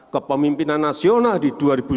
kepemimpinan nasional di dua ribu dua puluh